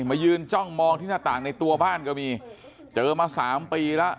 มายืนจ้องมองที่หน้าต่างในตัวบ้านก็มีเจอมา๓ปีแล้ว